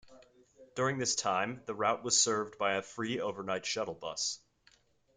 During this time, the route was served by a free overnight shuttle bus.